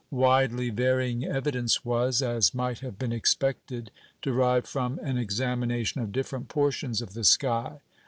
Widely varying evidence was, as might have been expected, derived from an examination of different portions of the sky.